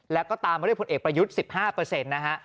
แล้วก็ตามมาด้วยผลเอกประยุทธ์๑๕นะฮะ